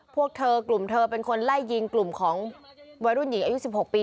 พวกเธอกลุ่มเธอเป็นคนไล่ยิงกลุ่มของวัยรุ่นหญิงอายุ๑๖ปี